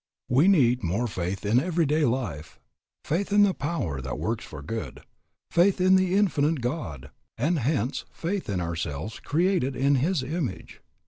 We need more faith in every day life, faith in the power that works for good, faith in the Infinite God, and hence faith in ourselves created in His image.